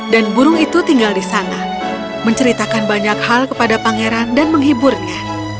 dan burung itu tinggal di sana menceritakan banyak hal kepada pangeran dan menghiburnya